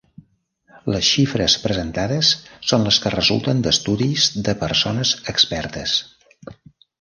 Les xifres presentades són les que resulten d’estudis de persones expertes.